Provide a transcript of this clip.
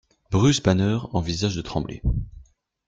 Bruce Banner envisage de trembler.